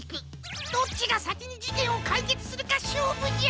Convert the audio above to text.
どっちがさきにじけんをかいけつするかしょうぶじゃ！